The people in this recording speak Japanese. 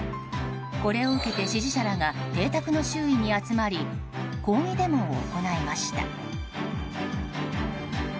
これを受けて支持者らが邸宅の周囲に集まり抗議デモを行いました。